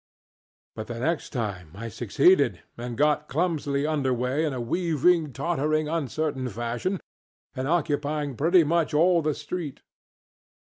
But the next time I succeeded, and got clumsily under way in a weaving, tottering, uncertain fashion, and occupying pretty much all of the street.